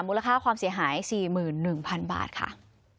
มูลค่าความเสียหาย๔๑๐๐๐บาทค่ะ